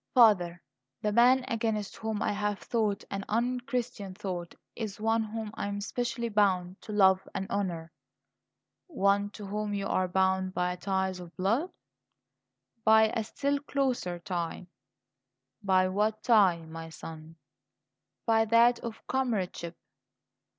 "Father, the man against whom I have thought an unchristian thought is one whom I am especially bound to love and honour." "One to whom you are bound by ties of blood?" "By a still closer tie." "By what tie, my son?" "By that of comradeship."